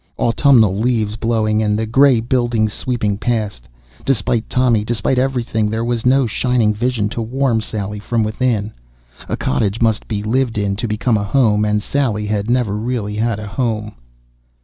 Autumnal leaves blowing, and the gray buildings sweeping past. Despite Tommy, despite everything there was no shining vision to warm Sally from within. A cottage must be lived in to become a home and Sally had never really had a home.